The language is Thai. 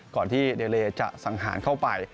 ก่อนที่เดเลจะสังหารเข้าไป